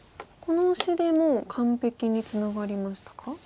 このオシでもう完璧にツナがりましたか？